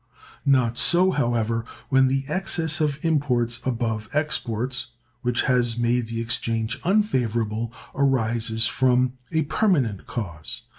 Not so, however, when the excess of imports above exports, which has made the exchange unfavorable, arises from a permanent cause.